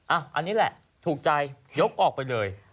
อันนี้แหละถูกใจยกออกไปเลย